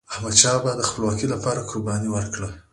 احمدشاه بابا د خپلواکی لپاره قرباني ورکړې.